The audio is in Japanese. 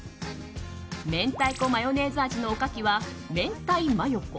明太子マヨネーズ味のおかきは明太マヨ子